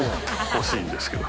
欲しいんですけど。